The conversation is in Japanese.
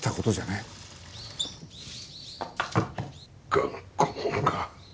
頑固もんが。